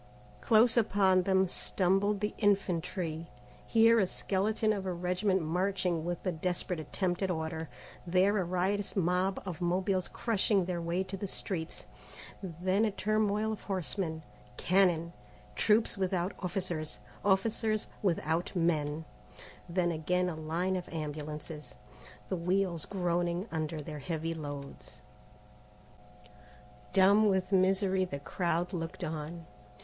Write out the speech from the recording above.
Close upon them stumbled the infantry; here a skeleton of a regiment marching with a desperate attempt at order, there a riotous mob of Mobiles crushing their way to the streets, then a turmoil of horsemen, cannon, troops without, officers, officers without men, then again a line of ambulances, the wheels groaning under their heavy loads. Dumb with misery the crowd looked on.